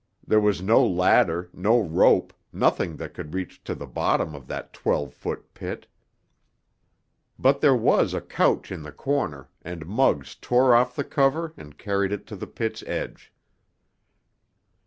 There was no ladder, no rope, nothing that could reach to the bottom of that twelve foot pit. But there was a couch in the corner, and Muggs tore off the cover and carried it to the pit's edge.